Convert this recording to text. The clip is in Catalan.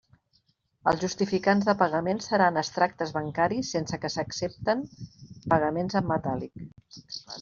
Els justificants de pagaments seran extractes bancaris sense que s'accepten pagaments en metàl·lic.